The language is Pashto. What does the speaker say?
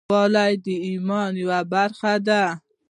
پاکوالی د ایمان یوه برخه ده.